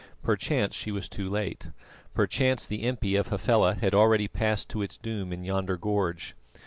Perchance she was too late, perchance the impi of Hafela had already passed to its doom in yonder gorge.